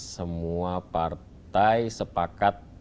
semua partai sepakat